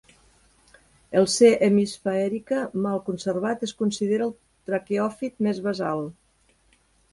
El "C. hemisphaerica" mal conservat es considera el traqueòfit més basal.